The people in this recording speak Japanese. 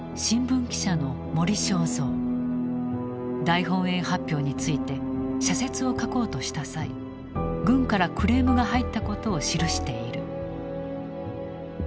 大本営発表について社説を書こうとした際軍からクレームが入ったことを記している。